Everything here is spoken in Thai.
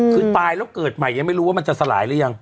คือตายแล้วเกิดใหม่ยังไม่รู้ว่ามันจะสลายหรือยัง